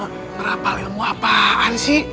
ulala ngerapal ilmu apaan sih